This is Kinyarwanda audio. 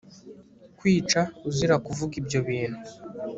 kwicwa uzira kuvuga ibyo bintu